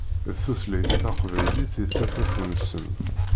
D tutlayt taqbaylit i d tafat-nsen.